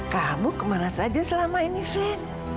kamu kemana saja selama ini fin